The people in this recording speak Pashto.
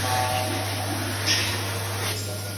د لامبو مثبت اغېز د زړه او مغز لپاره مهم دی.